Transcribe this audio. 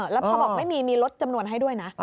แล้วพอบอกไม่มีมีลดจำนวนให้ด้วยนะ